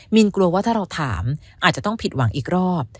มีนกลัวว่าถ้าเราถามอาจจะต้องผิดหวังอีกรอบ